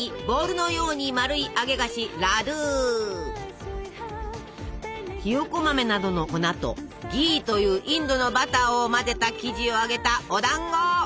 ボールのように丸い揚げ菓子ひよこ豆などの粉と「ギー」というインドのバターを混ぜた生地を揚げたお団子！